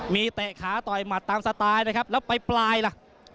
มีเตะขาต่อยหมัดตามสไตล์นะครับแล้วไปปลายล่ะ